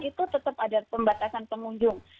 itu tetap ada pembatasan pengunjung